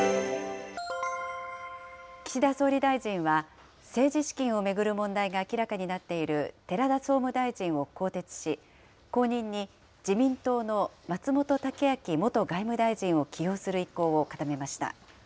岸田総理大臣は、政治資金を巡る問題が明らかになっている寺田総務大臣を更迭し、後任に自民党の松本剛明元外務大臣を起用する意向を固めました。